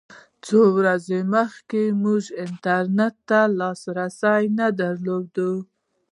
څو ورځې مخکې موږ انټرنېټ ته لاسرسی نه درلود.